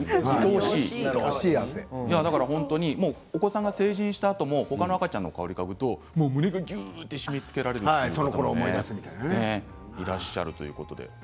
お子さんが成人したあとも他のお子さんの香りを嗅ぐと胸がきゅっと締めつけられるということもあるということですね。